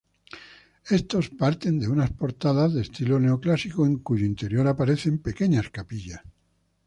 Estos parten de unas portadas de estilo neoclásico en cuyo interior aparecen pequeñas capillas.